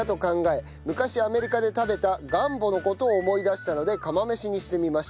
昔アメリカで食べたガンボの事を思い出したので釜飯にしてみました」